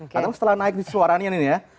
karena setelah naik suaranya ini ya